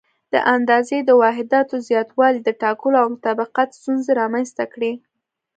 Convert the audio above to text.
د اندازې د واحداتو زیاتوالي د ټاکلو او مطابقت ستونزې رامنځته کړې.